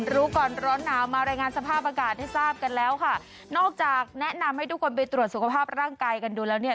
รู้ก่อนร้อนหนาวมารายงานสภาพอากาศให้ทราบกันแล้วค่ะนอกจากแนะนำให้ทุกคนไปตรวจสุขภาพร่างกายกันดูแล้วเนี่ย